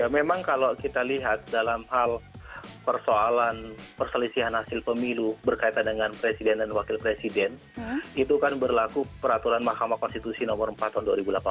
memang kalau kita lihat dalam hal persoalan perselisihan hasil pemilu berkaitan dengan presiden dan wakil presiden itu kan berlaku peraturan mahkamah konstitusi nomor empat tahun dua ribu delapan belas